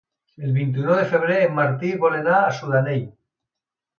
El vint-i-nou de febrer en Martí vol anar a Sudanell.